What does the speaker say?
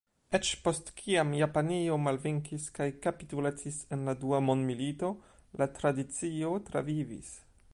Eĉ post kiam Japanio malvenkis kaj kapitulacis en la Dua Mondmilito, la tradicio travivis.